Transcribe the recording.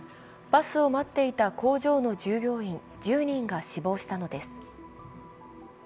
バスを待っていた工場の従業員１０人が死亡したのです。